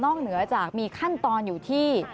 เหนือจากมีขั้นตอนอยู่ที่